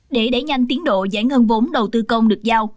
để đẩy nhanh tiến độ giải ngân vốn đầu tư công được giao